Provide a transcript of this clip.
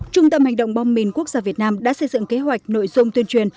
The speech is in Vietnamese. trung tâm hành động bom mìn quốc gia việt nam đã xây dựng kế hoạch nội dung tuyên truyền